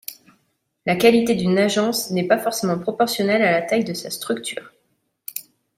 La qualité d'une agence n'est pas forcément proportionnelle à la taille de sa structure.